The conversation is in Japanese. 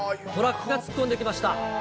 トラックが突っ込んできました。